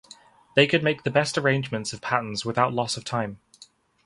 They could make the best arrangements of patterns without loss of time.